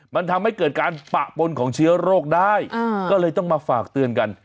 มันทำให้เกิดการปะปนของเชื้อโรคได้ก็เลยต้องมาฝากเตือนกัน